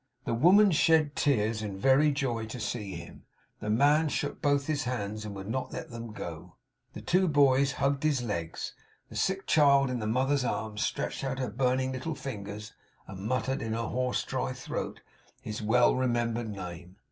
The woman shed tears, in very joy to see him; the man shook both his hands and would not let them go; the two boys hugged his legs; the sick child in the mother's arms stretched out her burning little fingers, and muttered, in her hoarse, dry throat, his well remembered name.